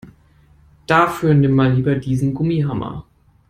Dafür nimm mal lieber diesen Gummihammer.